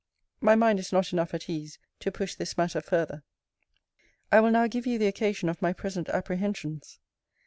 My mind is not enough at ease to push this matter further. I will now give you the occasion of my present apprehensions.